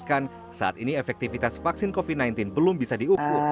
bahkan saat ini efektivitas vaksin covid sembilan belas belum bisa diukur